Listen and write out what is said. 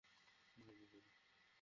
না, চলে যা।